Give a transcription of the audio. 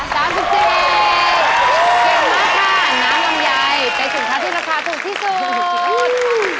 เก่งมากค่ะน้ำลำไยไปสุดท้ายที่ราคาถูกที่สุด